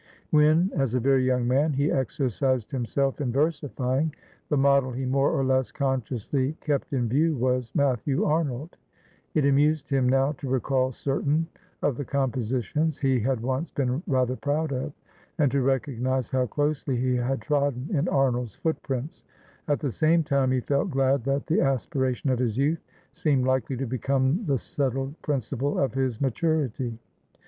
When, as a very young man, he exercised himself in versifying, the model he more or less consciously kept in view was Matthew Arnold; it amused him now to recall certain of the compositions he had once been rather proud of, and to recognise how closely he had trodden in Arnold's footprints; at the same time, he felt glad that the aspiration of his youth seemed likely to become the settled principle of his maturity.